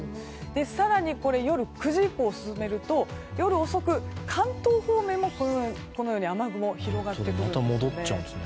更に、夜９時以降に進めると夜遅く関東方面にも雨雲が広がってくるんですね。